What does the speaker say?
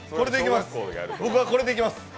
僕はこれでいきます！